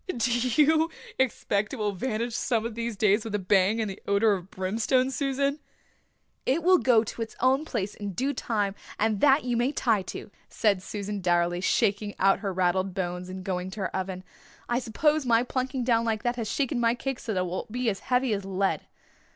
"Do you expect it will vanish some of these days with a bang and the odour of brimstone, Susan?" "It will go to its own place in due time and that you may tie to," said Susan dourly, shaking out her raddled bones and going to her oven. "I suppose my plunking down like that has shaken my cake so that it will be as heavy as lead."